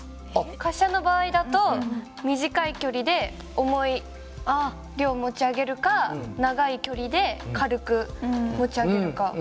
滑車の場合だと短い距離で重い量を持ち上げるか長い距離で軽く持ち上げるか。